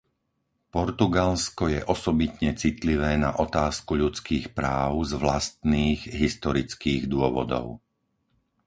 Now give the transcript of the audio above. Portugalsko je osobitne citlivé na otázku ľudských práv z vlastných historických dôvodov.